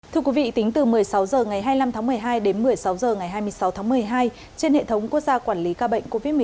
thưa quý vị tính từ một mươi sáu h ngày hai mươi năm tháng một mươi hai đến một mươi sáu h ngày hai mươi sáu tháng một mươi hai trên hệ thống quốc gia quản lý ca bệnh covid một mươi chín